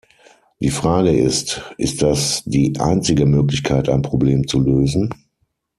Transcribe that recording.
Die Frage ist, ist das die einzige Möglichkeit ein Problem zu lösen?